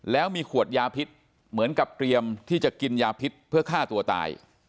แล้วมีขวดยาพิษเหมือนกับเตรียมที่จะกินยาพิษเพื่อฆ่าตัวตาย